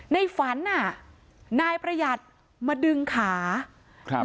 ในฝันอ่ะนายประหยัดมาดึงขาครับ